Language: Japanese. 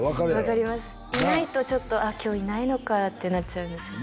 分かりますいないとちょっと「今日いないのか」ってなっちゃうんですよ